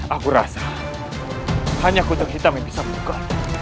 aku rasa hanya kutang hitam yang bisa membuka